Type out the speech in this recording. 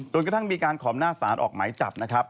กระทั่งมีการขอบหน้าสารออกหมายจับนะครับ